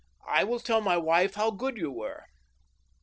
I will tell my wife how good you were."